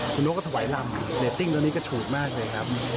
คุณกก็ถวายลำเรตติ้งตัวนี้กระฉูดมากเลยครับ